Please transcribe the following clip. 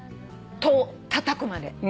戸をたたくまで。